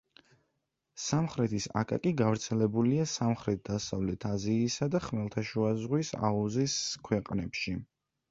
სამხრეთის აკაკი გავრცელებულია სამხრეთ-დასავლეთ აზიასა და ხმელთაშუა ზღვის აუზის ქვეყნებში.